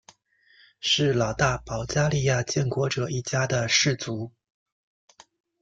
是老大保加利亚建国者一家的氏族。